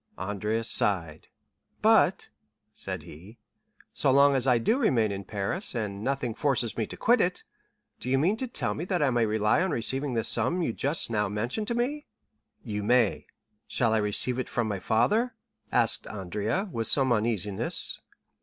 '" Andrea sighed. "But," said he, "so long as I do remain in Paris, and nothing forces me to quit it, do you mean to tell me that I may rely on receiving the sum you just now mentioned to me?" "You may." "Shall I receive it from my father?" asked Andrea, with some uneasiness.